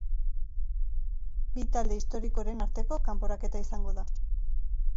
Bi talde historikoren arteko kanporaketa izango da.